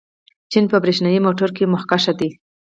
چین په برېښنايي موټرو کې مخکښ دی.